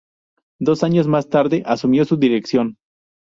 Dos años más tarde asumió su dirección.